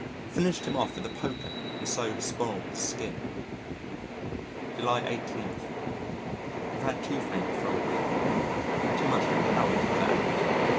Finished him off with the poker and so spoilt the skin. July 18. Have had toothache for a week. Too much of a coward to have it out.